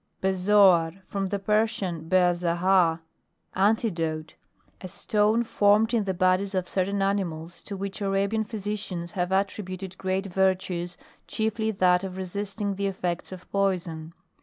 BEZOAR. From the Persian beazahar, antidote. A stone formed in the bodies of certain animals, to which Arabian physicians have attributed great virtues, chiefly that of resist ing the effects of poison.